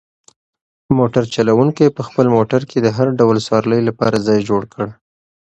موټر چلونکي په خپل موټر کې د هر ډول سوارلۍ لپاره ځای جوړ کړ.